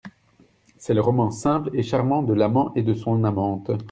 C’est le roman simple et charmant De l’amant et de son amante.